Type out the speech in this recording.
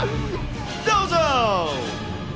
どうぞ。